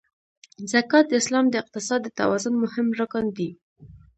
زکات د اسلام د اقتصاد د توازن مهم رکن دی.